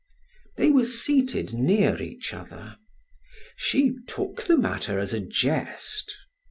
They were seated near each other. She took the matter as a jest.